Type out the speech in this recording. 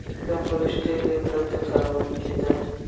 د خروشتي لیک دلته کارول کیده